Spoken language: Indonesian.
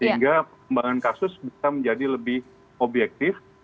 sehingga pengembangan kasus bisa menjadi lebih objektif